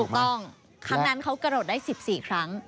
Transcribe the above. ครั้งนั้นเขากระโดดได้๑๔ครั้ง